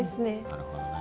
なるほどね。